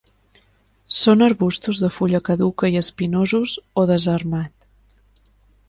Són arbustos de fulla caduca i espinosos o desarmat.